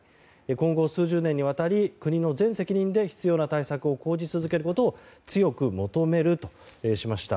今後、数十年にわたり国の全責任で必要な対策を講じ続けることを強く求めるとしました。